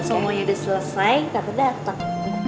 semuanya udah selesai tapi dateng